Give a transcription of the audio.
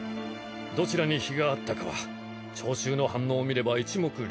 どちらに非があったかは町衆の反応を見れば一目瞭然。